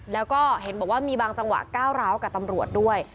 แล้วก็เห็นบอกว่ามีบางจังหวะก้าวร้าวกับตำรวจด้วย